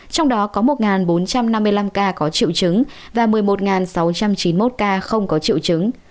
trong đó có một bốn trăm năm mươi năm ca có triệu chứng và một mươi một sáu trăm chín mươi một ca không có triệu chứng